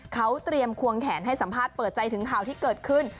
เขาเตรียมควงแขนให้สัมภาษณ์เปิดใจถึงข่าวที่เกิดขึ้น